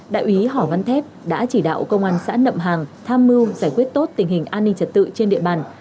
đại úy hỏ văn thép đã chỉ đạo công an xã nậm hàng tham mưu giải quyết tốt tình hình an ninh trật tự trên địa bàn